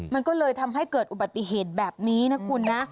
มันก็เลยทำให้เกิดอุบัติเหตุแบบนี้นะคุณนะ